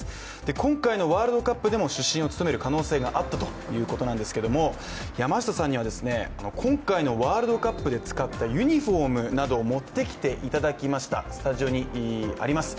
今回のワールドカップでも主審を務める可能性があったということなんですけども山下さんには、今回のワールドカップで使ったユニフォームなどを持ってきていただきましたスタジオにあります。